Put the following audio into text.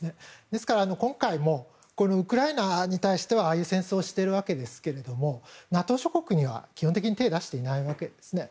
ですから、今回もウクライナに対してはああいう戦争をしているわけですけどＮＡＴＯ諸国には基本的に手を出していないわけですね。